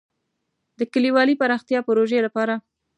د کلیوالي پراختیا پروژې لپاره.